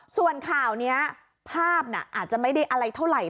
ส่วนข่าวนี้ภาพน่ะอาจจะไม่ได้อะไรเท่าไหร่